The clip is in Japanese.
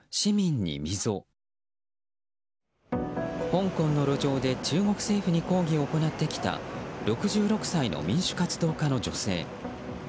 香港の路上で中国政府に抗議を行ってきた６６歳の民主活動家の女性。